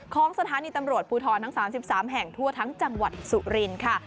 ของสถานีตำรวจภูทรทั้ง๓๓แห่งทั่วทั้งจังหวัดสุรินค่ะ